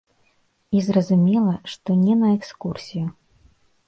І зразумела, што не на экскурсію.